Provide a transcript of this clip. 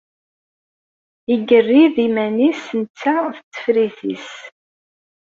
Igerri-d iman-is netta d tefrit-is.